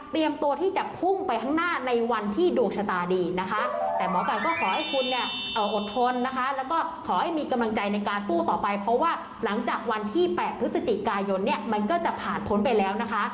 ตัวที่จะพุ่งไปข้างหน้าในวันที่ดวงชะตาดีนะคะแต่หมอไก่ก็ขอให้คุณเนี่ยอดทนนะคะแล้วก็ขอให้มีกำลังใจในการสู้ต่อไปเพราะว่าหลังจากวันที่๘พฤศจิกายนเนี่ยมันก็จะผ่านพ้นไปแล้วนะคะ